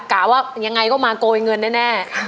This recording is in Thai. กะว่ายังไงก็มาโกยเงินแน่